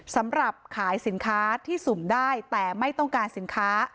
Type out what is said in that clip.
สำหรับขายสินค้าที่สุ่มได้แต่ไม่ต้องการสินค้า